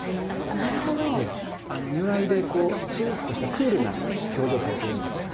如来でこうツーっとしたクールな表情されてるんですね。